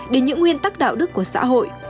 để những nguyên tắc đạo đức của xã hội